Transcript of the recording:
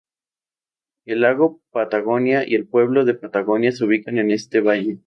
El lago Patagonia y el pueblo de Patagonia se ubican en este valle.